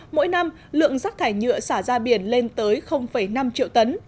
mỗi năm lượng rác thải nhựa xả ra biển lên tới năm triệu tấn